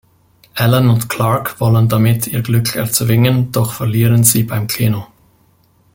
Ellen und Clark wollen damit ihr Glück erzwingen, doch verlieren sie beim Keno.